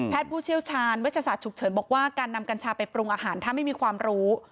ผู้เชี่ยวชาญเวชศาสตร์ฉุกเฉินบอกว่าการนำกัญชาไปปรุงอาหารถ้าไม่มีความรู้